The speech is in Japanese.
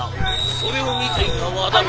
それを見ていた和田が。